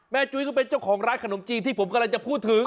จุ้ยก็เป็นเจ้าของร้านขนมจีนที่ผมกำลังจะพูดถึง